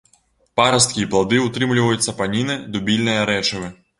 Парасткі і плады ўтрымліваюць сапаніны, дубільныя рэчывы.